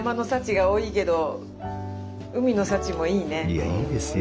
いやいいですよ。